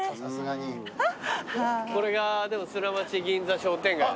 これが砂町銀座商店街だ。